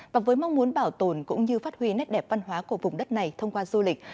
và với mong muốn bảo tồn cũng như phát huy nét đẹp văn hóa của vùng đất này thông qua du lịch